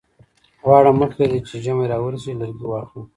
غواړم مخکې له دې چې ژمی را ورسیږي لرګي واخلم.